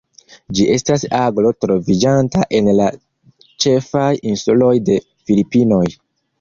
Ĝi estas aglo troviĝanta en la ĉefaj insuloj de Filipinoj.